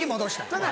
ただ